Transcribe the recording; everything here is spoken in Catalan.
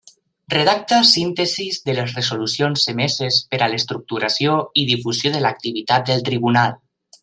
Redacta síntesis de les resolucions emeses per a l'estructuració i difusió de l'activitat del Tribunal.